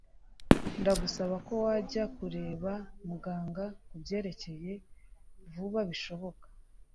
ndagusaba ko wajya kureba muganga kubyerekeye vuba bishoboka